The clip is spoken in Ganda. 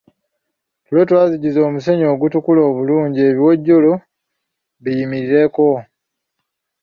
Ttule twazijjuza omusenyu ogutukula obulungi ebiwojjolo biyimirireko.